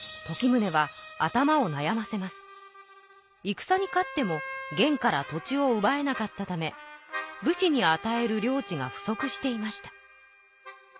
いくさに勝っても元から土地をうばえなかったため武士にあたえる領地が不足していました。